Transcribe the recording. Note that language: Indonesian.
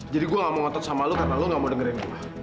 jadi gue gak mau ngotot sama lo karena lo gak mau dengerin gue